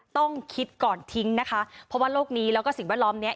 ต้องคิดก่อนทิ้งนะคะเพราะว่าโลกนี้แล้วก็สิ่งแวดล้อมเนี้ย